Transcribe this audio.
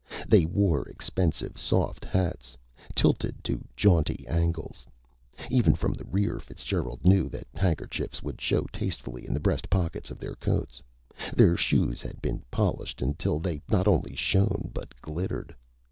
They wore expensive soft hats, tilted to jaunty angles. Even from the rear, Fitzgerald knew that handkerchiefs would show tastefully in the breast pockets of their coats. Their shoes had been polished until they not only shone, but glittered.